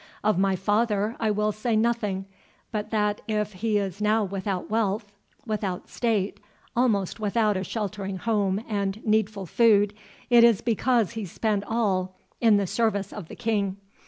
Of my father I will say nothing, but that if he is now without wealth—without state, almost without a sheltering home and needful food—it is because he spent all in the service of the King.